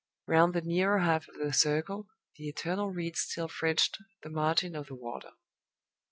Round the nearer half of the circle, the eternal reeds still fringed the margin of the water.